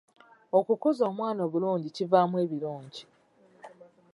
Okukuza omwana obulungi kivaamu ebirungi.